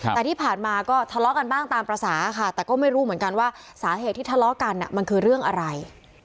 แต่ที่ผ่านมาก็ทะเลาะกันบ้างตามภาษาค่ะแต่ก็ไม่รู้เหมือนกันว่าสาเหตุที่ทะเลาะกันมันคือเรื่องอะไร